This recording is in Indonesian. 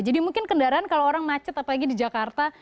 jadi mungkin kendaraan kalau orang macet apalagi di jakarta